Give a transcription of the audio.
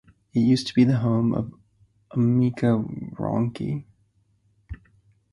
It used to be the home of Amica Wronki.